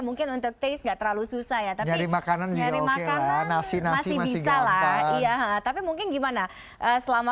mungkin untuk taste gak terlalu susah ya tapi nyari makanan masih bisa lah iya tapi mungkin gimana selama